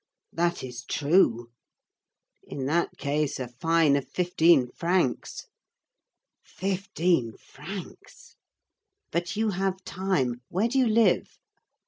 "That is true." "In that case, a fine of fifteen francs." "Fifteen francs." "But you have time. Where do you live?"